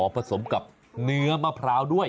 ผสมกับเนื้อมะพร้าวด้วย